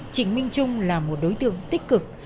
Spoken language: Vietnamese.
trịnh minh trung là một đối tượng tích cực